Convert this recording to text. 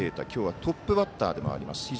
きょうはトップバッターでもあります。